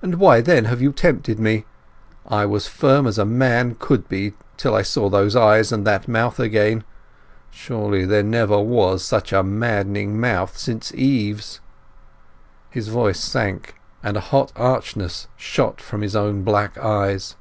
"And why then have you tempted me? I was firm as a man could be till I saw those eyes and that mouth again—surely there never was such a maddening mouth since Eve's!" His voice sank, and a hot archness shot from his own black eyes.